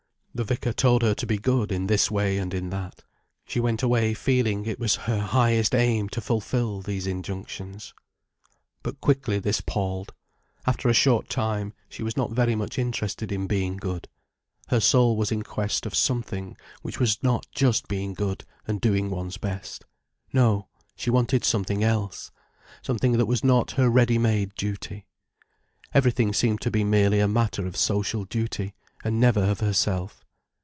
The vicar told her to be good in this way and in that. She went away feeling it was her highest aim to fulfil these injunctions. But quickly this palled. After a short time, she was not very much interested in being good. Her soul was in quest of something, which was not just being good, and doing one's best. No, she wanted something else: something that was not her ready made duty. Everything seemed to be merely a matter of social duty, and never of her self.